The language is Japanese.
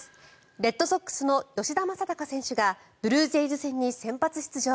レッドソックスの吉田正尚選手がブルージェイズ戦に先発出場。